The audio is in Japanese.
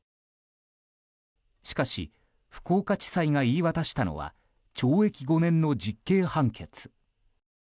しかし、福岡地裁が言い渡したのは懲役５年の実刑判決。